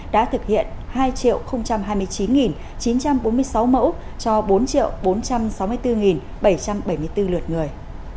đã thực hiện hai hai mươi chín chín trăm bốn mươi sáu mẫu cho bốn bốn trăm sáu mươi bốn bảy trăm bảy mươi bốn lượt người